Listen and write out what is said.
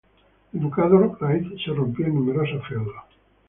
El ducado raíz se rompió en numerosos feudos.